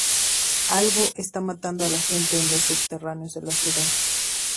Algo está matando a la gente en los subterráneos de la ciudad.